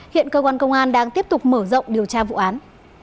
hiện cơ quan công an đang tiếp tục mở rộng điều tra vụ án